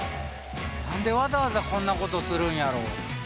何でわざわざこんなことをするんやろ？